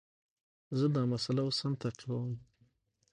زه دا مسئله اوس هم تعقیبوم.